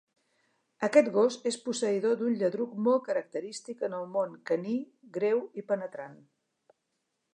Aquest gos és posseïdor d'un lladruc molt característic en el món caní, greu i penetrant.